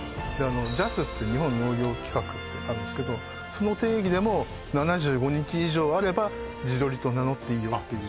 ＪＡＳって日本農林規格ってあるんですけどその定義でも７５日以上あれば地鶏と名乗っていいよっていう